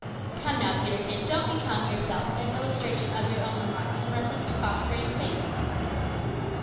"Come now, Peterkin, don't become, yourself, an illustration of your own remark in reference to cross grained things."